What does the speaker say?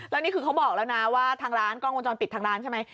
แล้วนี่คือเขาบอกแล้วนะว่าทางร้านกล้องวงจรปิดทางร้านใช่ไหม